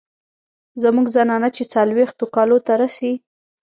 زمونږ زنانه چې څلوېښتو کالو ته رسي